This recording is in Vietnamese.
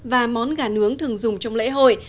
và món gà nướng thường dùng trong lễ hội